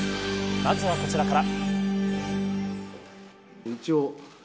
まずはこちらから。